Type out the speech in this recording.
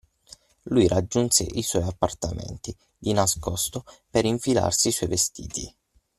Lui raggiunse i suoi appartamenti, di nascosto, per infilarsi i suoi vestiti.